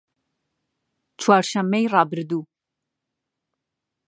چوارشەممەی ڕابردوو